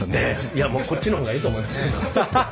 いやこっちの方がええと思いますよ。